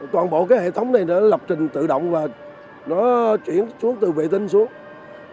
toàn bộ cái hệ thống này nó lập trình tự động và nó chuyển xuống từ vệ tinh xuống